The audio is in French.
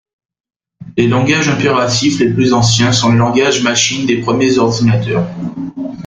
Les langages impératifs les plus anciens sont les langages machine des premiers ordinateurs.